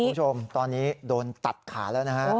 คุณผู้ชมตอนนี้โดนตัดขาแล้วนะฮะ